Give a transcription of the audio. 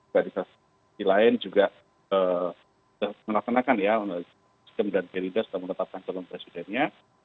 dari sisi lain juga menaklakan ya nasdem dan gerindra sudah menetapkan calon presidennya